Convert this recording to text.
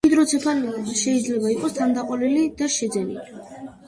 ჰიდროცეფალია შეიძლება იყოს თანდაყოლილი და შეძენილი.